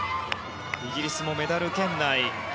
イギリスもメダル圏内。